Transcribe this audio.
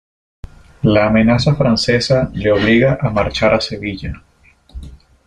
La amenaza francesa le obliga a marchar a Sevilla.